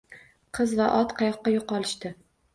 Qiz va ot qayoqqa yo`qolishdi